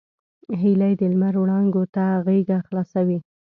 هیلۍ د لمر وړانګو ته غېږه خلاصوي